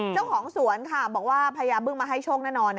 เจ้าของสวนค่ะบอกว่าพญาบึ้งมาให้โชคแน่นอน